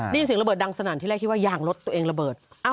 ได้ยินเสียงระเบิดดังสนั่นที่แรกคิดว่ายางรถตัวเองระเบิด